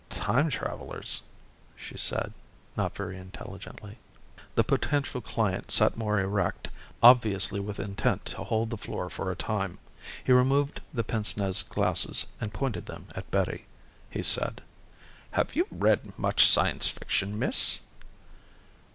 "Time travelers," she said, not very intelligently. The potential client sat more erect, obviously with intent to hold the floor for a time. He removed the pince nez glasses and pointed them at Betty. He said, "Have you read much science fiction, Miss?"